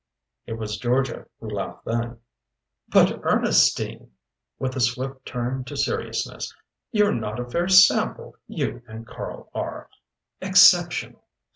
It was Georgia who laughed then. "But Ernestine" with a swift turn to seriousness "you're not a fair sample; you and Karl are exceptional.